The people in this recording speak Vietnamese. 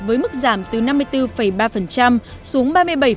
với mức giảm từ năm mươi bốn ba xuống ba mươi bảy